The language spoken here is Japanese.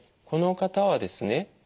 この方はですね